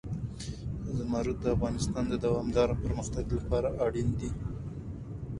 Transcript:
زمرد د افغانستان د دوامداره پرمختګ لپاره اړین دي.